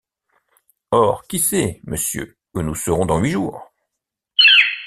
Or qui sait, monsieur, où nous serons dans huit jours !